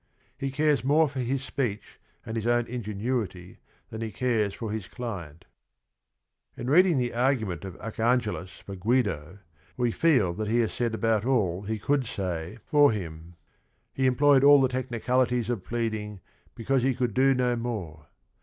He c ares more for his sp eech and his own ingenuit y than he *^tp<» fojJwr ^Tipnt In~Tea3Ing the argument of Archangelis for Guiffo we' feel that he said about allTtefould say JURIS DOCTOR 151 for him. He emp loyed all the technicalities o f pleading because he could d o no more.